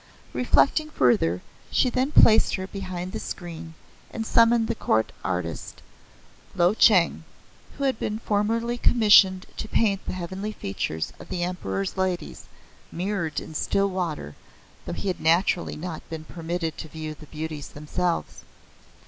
Reflecting further she then placed her behind the screen, and summoned the court artist, Lo Cheng, who had been formerly commissioned to paint the heavenly features of the Emperor's Ladies, mirrored in still water, though he had naturally not been permitted to view the beauties themselves.